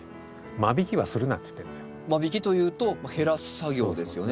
間引きというと減らす作業ですよね